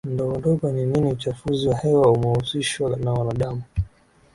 Ndogondogo ni nini Uchafuzi wa hewa umehusishwa na wanadamu